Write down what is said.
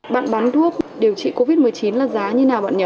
bạn bán thuốc điều trị covid một mươi chín là giá như thế nào bạn nhỉ